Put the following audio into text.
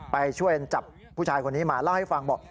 ไปช่วยจับผู้ชายคนนี้มาเล่าให้ฟังบอก